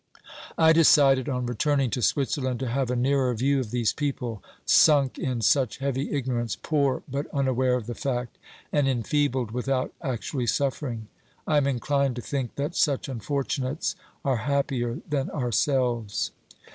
I decided, on returning to Switzerland, to have a nearer view of these people, sunk in such heavy ignorance, poor but unaware of the fact, and enfeebled without actually suffering. I am inclined to think that such unfortunates are happier than ourselves.